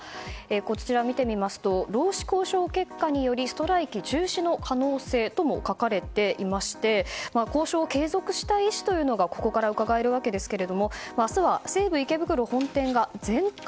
こちらを見てみますと労使交渉結果によりストライキ中止の可能性とも書かれていまして交渉を継続した意思というのがここから、うかがえるわけですが明日は西武池袋本店が全館